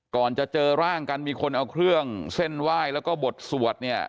ก่อนจะเจอร่างกันมีคนเอาเครื่องเส้นไหว้แล้วก็บทสวดเนี่ย